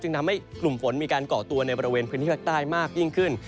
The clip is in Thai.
ทำให้กลุ่มฝนมีการก่อตัวในบริเวณพื้นที่ภาคใต้มากยิ่งขึ้น